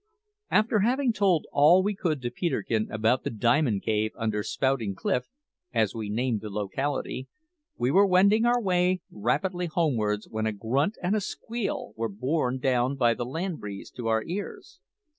After having told all we could to Peterkin about the Diamond Cave under Spouting Cliff, as we named the locality, we were wending our way rapidly homewards when a grunt and a squeal were borne down by the land breeze to our ears.